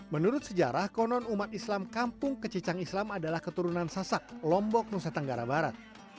menurut sejarah konon umat islam kampung kecicang islam adalah keturunan sasak lombok nusa tenggara barat